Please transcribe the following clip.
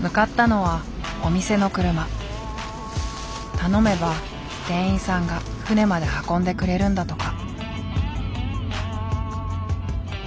頼めば店員さんが船まで運んでくれるんだとか。